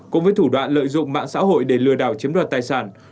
cũng với thủ đoạn lợi dụng mạng xã hội để lừa đảo chiếm đoạt tài sản